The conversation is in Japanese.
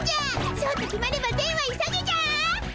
そうと決まれば善は急げじゃ！